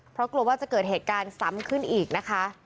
เพราะกลัวว่าจะเกิดเหตุการณ์ซ้ำขึ้นอีกนะคะ